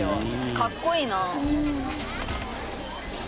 「かっこいいな」